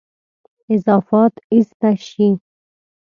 اضافات ایسته شي.